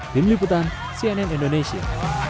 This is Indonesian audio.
di meliputan cnn indonesia